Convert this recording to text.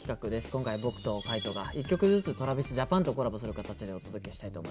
今回僕と海人が一曲ずつＴｒａｖｉｓＪａｐａｎとコラボする形でお届けしたいと思います。